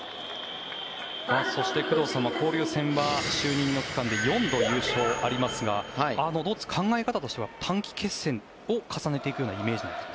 そして工藤さんは交流戦は就任の期間で４度優勝がありますが考え方としては短期決戦を重ねていくイメージなんですか。